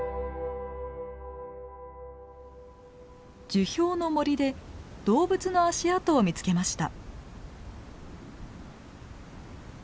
樹氷の森で動物の足跡を見つけました。